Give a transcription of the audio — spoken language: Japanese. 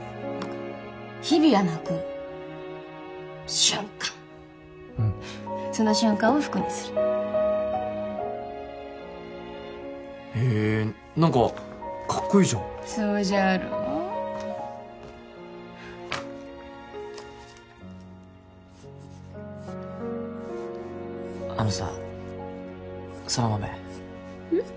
日々やなく瞬間うんその瞬間を服にするへえ何かカッコいいじゃんそうじゃろあのさ空豆うん？